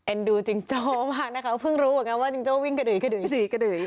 เอ็นดูจิงโจ้มากนะคะเพิ่งรู้ว่าจิงโจ้วิ่งกระดื๋อกระดื๋อกระดื๋อ